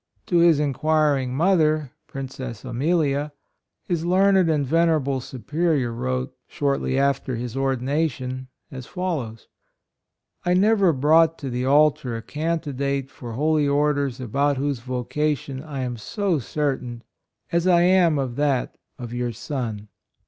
To his inquiring mother, Princess Amelia, his learned and venerable Superior wrote, shortly after his ordination, as follows : "I never brought to the altar a candi date for Holy Orders about whose vocation I am so certain as I am of that of your son.